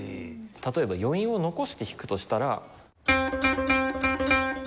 例えば余韻を残して弾くとしたら。